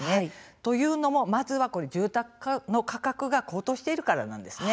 というのも、まずは住宅の価格が高騰しているからなんです。